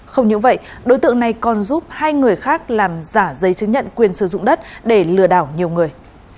không những vậy đối tượng này còn giúp hai người khác làm giả giấy chứng nhận quyền sử dụng đất để lừa đảo nhiều người